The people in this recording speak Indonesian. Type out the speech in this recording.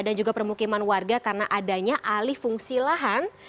dan juga permukiman warga karena adanya alih fungsi lahan